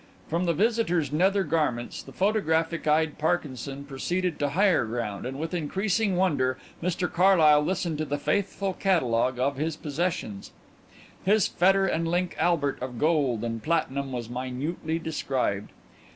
From the visitor's nether garments the photographic eyed Parkinson proceeded to higher ground, and with increasing wonder Mr Carlyle listened to the faithful catalogue of his possessions. His fetter and link albert of gold and platinum was minutely described.